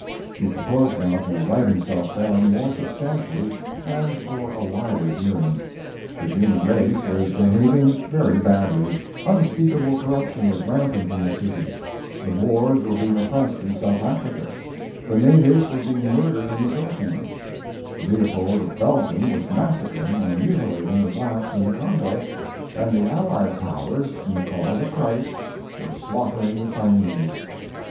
He proposed now to write himself down more substantially and for a wider hearing. The human race was behaving very badly: unspeakable corruption was rampant in the city; the Boers were being oppressed in South Africa; the natives were being murdered in the Philippines; Leopold of Belgium was massacring and mutilating the blacks in the Congo, and the allied powers, in the cause of Christ, were slaughtering the Chinese.